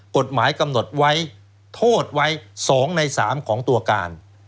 กฎหมายกำหนดไว้โทษไว้๒ใน๓ของตัวการ